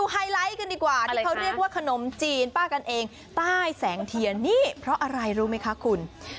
ไฮไลท์กันดีกว่าที่เขาเรียกว่าขนมจีนป้ากันเองใต้แสงเทียนนี่เพราะอะไรรู้ไหมคะคุณ